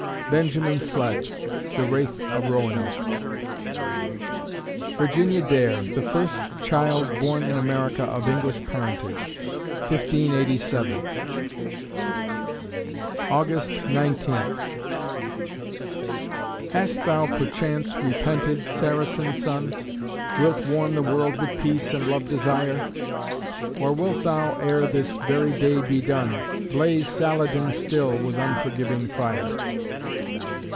BENJAMIN SLEDD (The Wraith of Roanoke) Virginia Dare, the first child born in America of English parentage, 1587 August Nineteenth ... Hast thou perchance repented, Saracen Sun? Wilt warm the world with peace and love desire? Or wilt thou, ere this very day be done, Blaze Saladin still, with unforgiving fire?